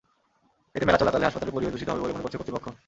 এতে মেলা চলাকালে হাসপাতালের পরিবেশ দূষিত হবে বলে মনে করছে কর্তৃপক্ষ।